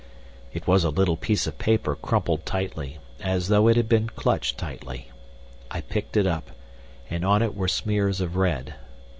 It was a little piece of paper crumpled tightly, as though it had been clutched tightly. I picked it up, and on it were smears of red.